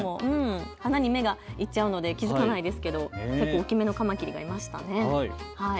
花に目がいってしまうので気付かないけど大きめのカマキリがいましたね。